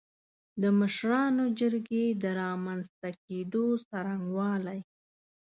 د مشرانو جرګې د رامنځ ته کېدو څرنګوالی